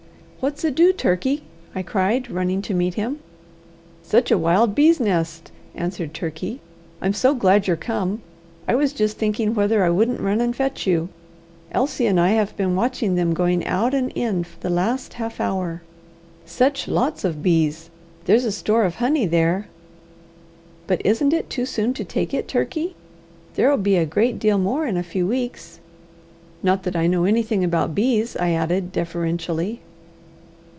"What's ado, Turkey?" I cried, running to meet him. "Such a wild bees' nest!" answered Turkey. "I'm so glad you're come! I was just thinking whether I wouldn't run and fetch you. Elsie and I have been watching them going out and in for the last half hour. Such lots of bees! There's a store of honey there." "But isn't it too soon to take it, Turkey? There'll be a great deal more in a few weeks. Not that I know anything about bees," I added deferentially.